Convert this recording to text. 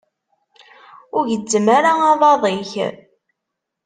Ur gezzem ara aḍad-ik.